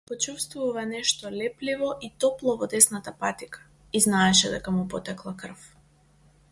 Почувствува нешто лепливо и топло во десната патика и знаеше дека му потекла крв.